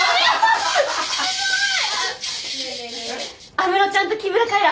安室ちゃんと木村カエラ